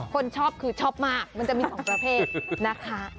คนชอบคือชอบมากมันจะมีสองประเภท